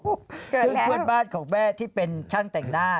ซึ่งเพื่อนบ้านของแม่ที่เป็นช่างแต่งหน้า